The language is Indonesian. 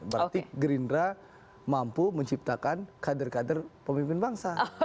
berarti gerindra mampu menciptakan kader kader pemimpin bangsa